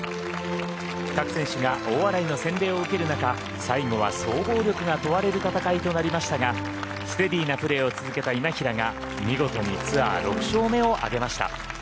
各選手が大洗の洗礼を受ける中最後は総合力が問われる戦いになりましたがステディーなプレーを続けた今平が見事にツアー６勝目を挙げました。